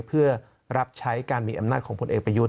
เพื่อรับใช้การมีอำนาจของพลเอกประยุทธ์